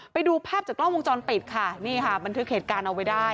ไปดูภาพจากกล้องวงจรปิดค่ะนี่ค่ะบันทึกเหตุการณ์เอาไว้ได้